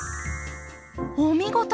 お見事。